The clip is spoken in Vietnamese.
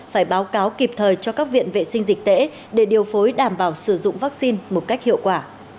phải báo cáo kịp thời cho các viện vệ sinh dịch tễ để điều phối đảm bảo sử dụng vaccine một cách hiệu quả